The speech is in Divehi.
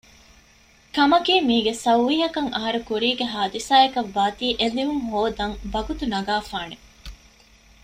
ކަމަކީ މީގެ ސައުވީހަކަށް އަހަރުކުރީގެ ހާދިސާއަކަށް ވާތީ އެލިޔުން ހޯދަން ވަގުތު ނަގާފާނެ